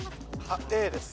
Ａです。